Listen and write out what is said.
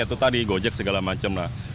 yaitu tadi gojek segala macam